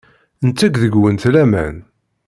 Netteg deg-went laman.